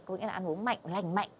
có nghĩa là ăn uống mạnh lành mạnh